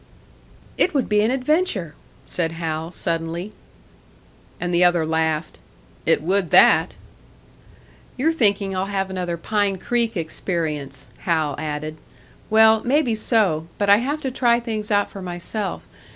"It would be an adventure," said Hal, suddenly. And the other laughed. "It would that!" "You're thinking I'll have another Pine Creek experience," Hal added. "Well, maybe so but I have to try things out for myself.